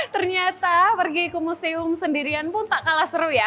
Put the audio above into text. ternyata pergi ke museum sendirian pun tak kalah seru ya